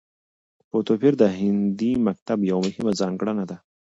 په توپير د هندي مکتب يوه مهمه ځانګړنه ده